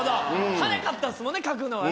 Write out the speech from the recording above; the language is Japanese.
早かったですもんね書くのはね。